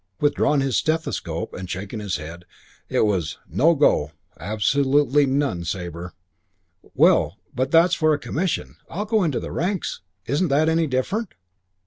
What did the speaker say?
Withdrawn his stethoscope and shaken his head. It was "no go; absolutely none, Sabre." "Well, but that's for a commission. I'll go into the ranks. Isn't that any different?"